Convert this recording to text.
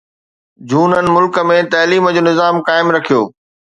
جهونن ملڪ ۾ تعليم جو نظام قائم رکيو